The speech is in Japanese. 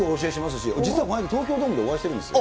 実は前に東京ドームでお会いしてるんですよ。